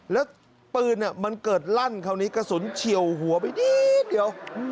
แล้วปืนมันเกิดลั่นคราวนี้กระสุนเฉียวหัวไปนิดเดียว